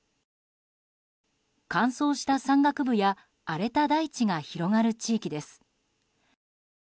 乾燥した山岳部や荒れた大地が広がる地域です。